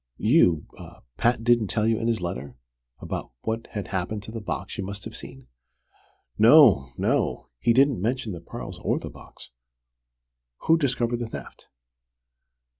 You Pat didn't tell you in his letter, about what had happened to the box you must have seen?" "No no. He didn't mention the pearls or the box. Who discovered the theft?"